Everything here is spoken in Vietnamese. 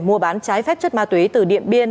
mua bán trái phép chất ma túy từ điện biên